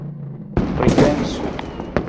Pripensu!